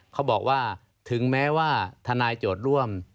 เขาบอกว่าถึงแม้ว่าทนายโจทย์ร่วม